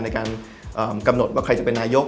ในการกำหนดว่าใครจะเป็นนายก